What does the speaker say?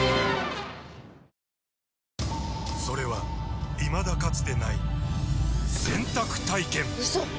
それはいまだかつてない洗濯体験‼うそっ！